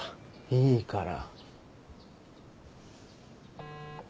いいから。